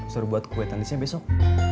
suruh buat kue tanisnya besok